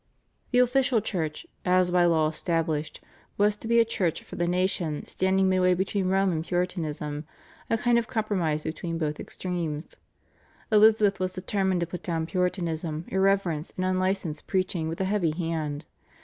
The official church "as by law established" was to be a church for the nation, standing midway between Rome and Puritanism, a kind of compromise between both extremes. Elizabeth was determined to put down Puritanism, irreverence, and unlicensed preaching with a heavy hand.